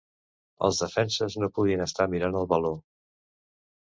Els defenses no poden estar mirant el baló.